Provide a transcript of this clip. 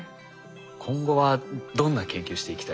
今後はどんな研究していきたいですか？